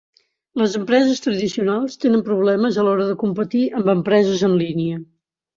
Les empreses tradicionals tenen problemes a l'hora de competir amb empreses en línia.